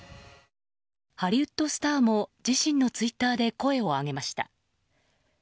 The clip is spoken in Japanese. ハリウッドスターも自身のツイッターで声を上げました。